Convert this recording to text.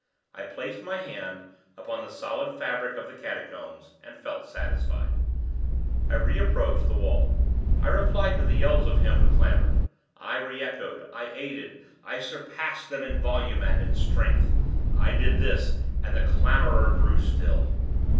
I placed my hand upon the solid fabric of the catacombs, and felt satisfied. I reapproached the wall. I replied to the yells of him who clamored. I re echoed—I aided—I surpassed them in volume and in strength. I did this, and the clamorer grew still.